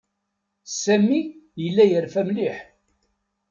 Sami yella yerfa mliḥ.